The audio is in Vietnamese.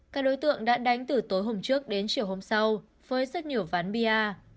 các đối tượng đã đánh từ tối hôm trước đến chiều hôm sau với rất nhiều ván bia